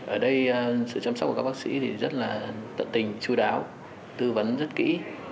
ở đây sự chăm sóc của các bác sĩ thì rất là tận tình chú đáo tư vấn rất kỹ